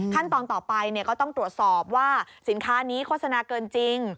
ขั้นตอนต่อไปก็ต้องตรวจสอบว่าสินค้านี้โฆษณาเกินจริง